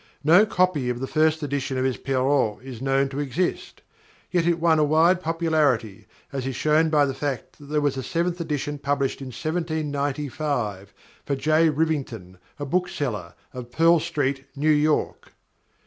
No copy of the first edition of his Perrault is known to exist. Yet it won a wide popularity, as is shown by the fact that there was a seventh edition published in 1795, for J. Rivington, a bookseller, of Pearl Street, New York.